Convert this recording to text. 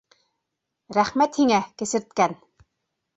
Рәхмәт һиңә, кесерткән!